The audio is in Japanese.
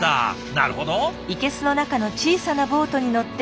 なるほど。